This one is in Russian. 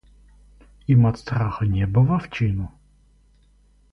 Им от страха небо в овчину?